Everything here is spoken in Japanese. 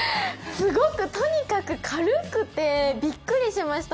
すごく、とにかく軽くて、びっくりしました。